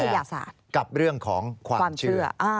อย่าสาดกับเรื่องของความเชื่อ